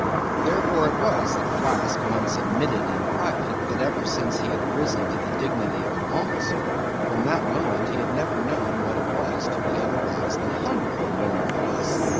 Therefore it was that Flask once admitted in private, that ever since he had arisen to the dignity of an officer, from that moment he had never known what it was to be otherwise than hungry, more or less.